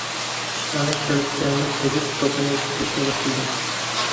خىشلارنى كەلسە- كەلمەس تىزىپ، توپىنى ئىتتىرىشكە باشلىدى.